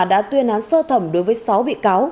đã tuyên án sơ thẩm đối với sáu bị cáo